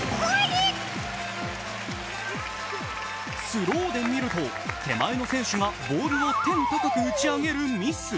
スローで見ると、手前の選手がボールを天高く打ち上げるミス。